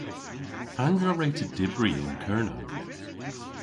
Pandr'a wre'ta dybri yn Kernow?